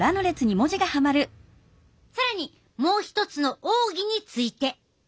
更にもう一つの奥義について。